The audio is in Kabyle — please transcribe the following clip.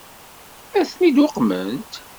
Ad ten-id-uqment?